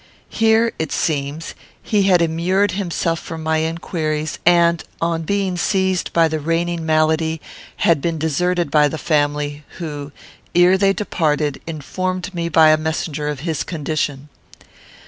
Here, it seems, he had immured himself from my inquiries, and, on being seized by the reigning malady, had been deserted by the family, who, ere they departed, informed me by a messenger of his condition.